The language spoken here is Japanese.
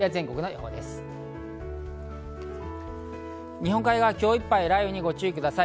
日本海側、今日いっぱい雷雨にご注意ください。